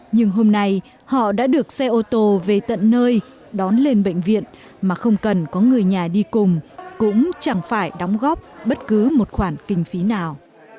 nhưng hôm nay họ đã được xe ô tô về tận nơi đón lên bệnh viện mà không cần có người nhà đi cùng cũng chẳng phải đóng góp bất cứ một khoản kinh phí nào